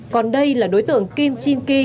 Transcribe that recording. còn đây là đối tượng kim chin kê